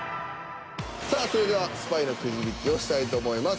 さあそれではスパイのくじ引きをしたいと思います。